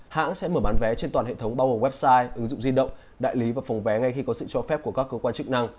hãng sẽ mở bán vé trên toàn hệ thống bao gồm website ứng dụng di động đại lý và phòng vé ngay khi có sự cho phép của các cơ quan chức năng